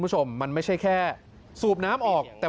แก้ปัญหาน้ำทั่วไม่ใช่แก้แค่เรื่องดูดน้ำสบายน้ำ